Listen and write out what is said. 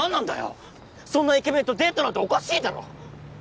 そんなイケメンとデートなんておかしいだろ！